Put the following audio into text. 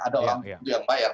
ada orang yang bayar